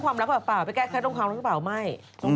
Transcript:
ไปขอโครงภาคเหรอเปล่าเปล่าไปแกะแค้นไก้โครงนอกเหรอเปล่าไม่